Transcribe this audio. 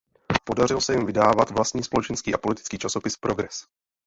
Podařilo se jim vydávat vlastní společenský a politický časopis „"Progress"“.